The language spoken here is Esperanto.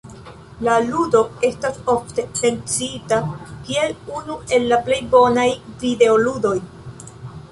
La ludo estas ofte menciita kiel unu el la plej bonaj videoludoj.